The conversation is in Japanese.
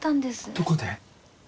どこで？